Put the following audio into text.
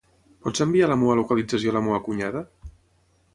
Pots enviar la meva localització a la meva cunyada?